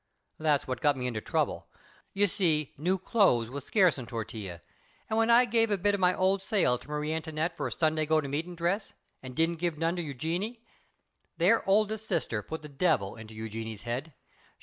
That's what got me into trouble. You see, new clothes was scarce on Tortilla, and when I gave a bit of my old sail to Marie Antoinette for a Sunday go to meetin' dress and didn't give none to Eugenie their oldest sister put the devil into Eugenie's head.